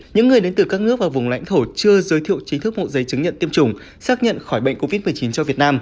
những người đến từ các nước và vùng lãnh thổ chưa giới thiệu chính thức mẫu giấy chứng nhận tiêm chủng xác nhận khỏi bệnh covid một mươi chín cho việt nam